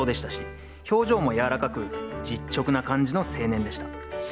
表情も柔らかく実直な感じの青年でした。